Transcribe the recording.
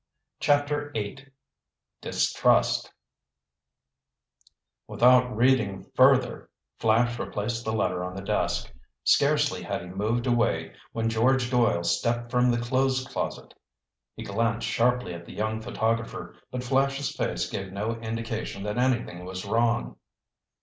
CHAPTER VIII DISTRUST Without reading further, Flash replaced the letter on the desk. Scarcely had he moved away, when George Doyle stepped from the clothes closet. He glanced sharply at the young photographer, but Flash's face gave no indication that anything was wrong.